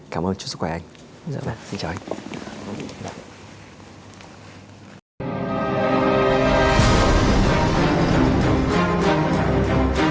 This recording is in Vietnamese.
cảm ơn chúc sức khỏe anh